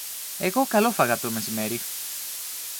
Εγώ καλόφαγα το μεσημέρι.